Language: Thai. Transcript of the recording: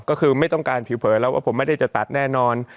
ก็คือไม่ต้องการผิวเผยแล้วว่าผมไม่ได้จะตัดแน่นอน